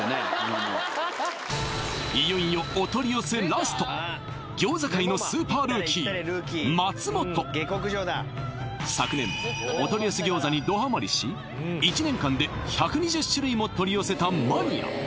いよいよお取り寄せラスト昨年お取り寄せ餃子にどハマりし１年間で１２０種類も取り寄せたマニア